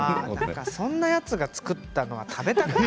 そんなやつが作ったものは食べたくない。